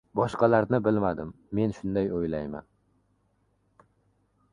Boshqalarni bilmadim, men shunday o‘ylayman.